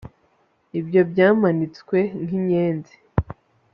Ibyo byamanitswe nkinyenzi